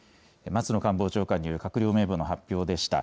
松野官房長官による閣僚名簿の発表でした。